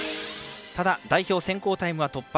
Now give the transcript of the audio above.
ただ、代表選考タイムは突破。